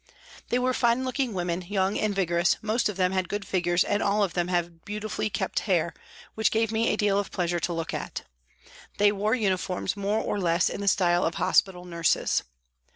They were fine looking women, young and vigorous, most of them had good figures and all of them had beauti fully kept hair which gave me a deal of pleasure to look at. They wore uniforms more or less in the style of hospital nurses.